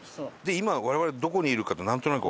今我々どこにいるかってなんとなくわかります？